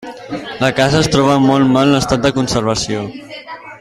La casa es troba en molt mal estat de conservació.